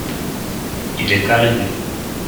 il est arrivé.